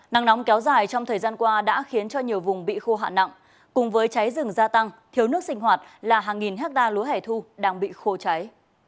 nắng nóng kéo dài trong thời gian qua đã khiến cho nhiều vùng bị khô hạn nặng cùng với cháy rừng gia tăng thiếu nước sinh hoạt là hàng nghìn hectare lúa hẻ thu đang bị khô cháy